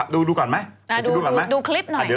นี่ดูดีเป็นคำกับตำรวจ